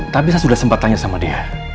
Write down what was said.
tapi saya sudah sempat tanya sama dia